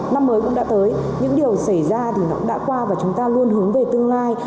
năm mới cũng đã tới những điều xảy ra thì nó đã qua và chúng ta luôn hướng về tương lai